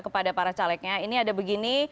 kepada para calegnya ini ada begini